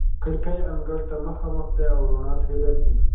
کړکۍ انګړ ته مخامخ دي او رڼا ترې راځي.